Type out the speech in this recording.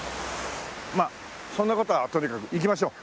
まあそんな事はとにかく行きましょう。